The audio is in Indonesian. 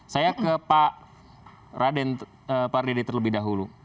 saya ke pak raden pardede terlebih dahulu